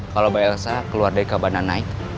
kalau mbak elsa keluar dari kabana knight